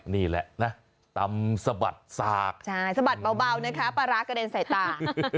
นี่แหละนะตำสะบัดสากใช่สะบัดเบานะคะปลาร้ากระเด็นใส่ตา